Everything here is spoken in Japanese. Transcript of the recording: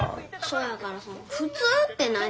そやからその普通って何？